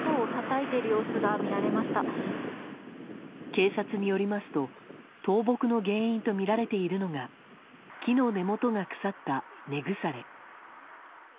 警察によりますと倒木の原因とみられているのが木の根元が腐った根腐れ。